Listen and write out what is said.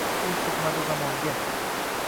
U sig’madi zamonga.